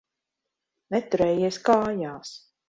Neturējies kājās.